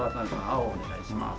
青をお願いします。